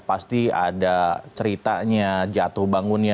pasti ada ceritanya jatuh